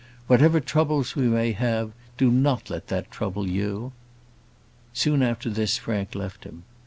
Whatever troubles we may have, do not let that trouble you." Soon after this Frank left him.